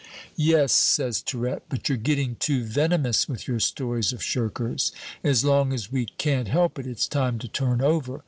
"Yes," says Tirette, "but you're getting too venomous with your stories of shirkers. As long as we can't help it, it's time to turn over.